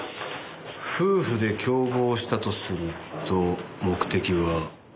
夫婦で共謀したとすると目的は？